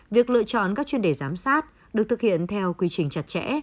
việc lựa chọn các chuyên đề giám sát được thực hiện theo quy trình chặt chẽ